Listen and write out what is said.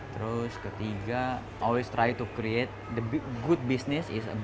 terus ketiga selalu mencoba untuk membuat bisnis yang bagus